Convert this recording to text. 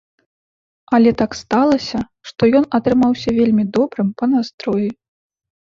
Але так сталася, што ён атрымаўся вельмі добрым па настроі.